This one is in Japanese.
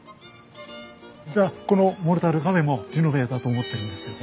実はこのモルタル壁もリノベだと思ってるんですよ。